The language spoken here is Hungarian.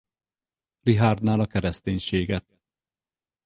Richárdnál a kereszténységet.